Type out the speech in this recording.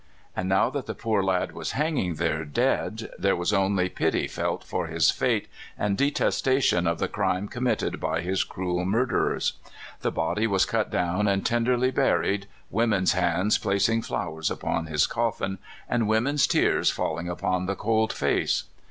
And now that the poor lad was hang ing there dead, there was only pity felt for his fate, and detestation of the crime committed by his cruel murderers. The body was cut down and tenderly buried, women's hands placing flowers upon his coffin, and women's tears falling upon the cold face.